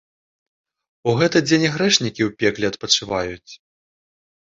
У гэты дзень і грэшнікі ў пекле адпачываюць.